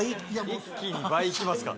一気に倍行きますか。